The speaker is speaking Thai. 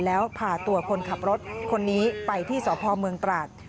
แล้วพาตัวคนขับรถคนนี้ไปที่สพเมืองตราด